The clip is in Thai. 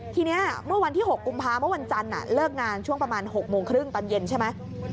ทีนี้เมื่อวันที่๖กุมภาเมื่อวันจันทร์เลิกงานช่วงประมาณ๖โมงครึ่งตอนเย็นใช่ไหม